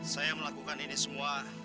saya melakukan ini semua